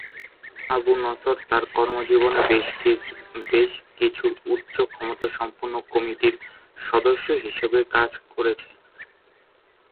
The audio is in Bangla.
আবু নসর তার কর্মজীবনে বেশ কিছু উচ্চ ক্ষমতাসম্পন্ন কমিটির সদস্য হিসেবে কাজ করেছেন।